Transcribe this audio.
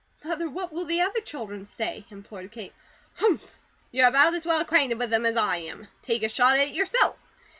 "Mother, what will the other children say?" implored Kate. "Humph! You are about as well acquainted with them as I am. Take a shot at it yourself.